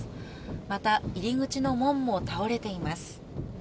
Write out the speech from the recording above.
また入り口の門も倒れています。